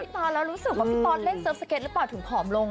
พี่ตอนเรารู้สึกว่าพี่ตอดเล่นเซิฟสเก็ตแล้วป่าวถึงผอมลง